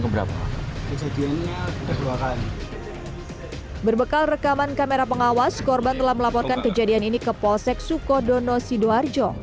berbekal rekaman kamera pengawas korban telah melaporkan kejadian ini ke polsek sukodono sidoarjo